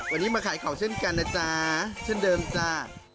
วันนี้มาขายของเช่นกันนะจ๊ะเช่นเดิมจ้า